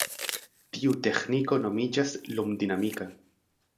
Tiu teĥniko nomiĝas "lum-dinamika".